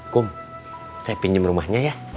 kom saya pinjem rumahnya ya